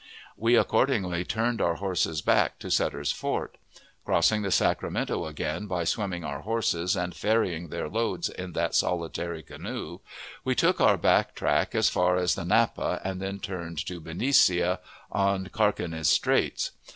We accordingly turned our horses back to Sutter's Fort. Crossing the Sacramento again by swimming our horses, and ferrying their loads in that solitary canoe, we took our back track as far as the Napa, and then turned to Benicia, on Carquinez Straits.